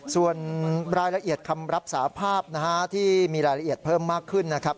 ส่วนรายละเอียดคำรับสาภาพนะฮะที่มีรายละเอียดเพิ่มมากขึ้นนะครับ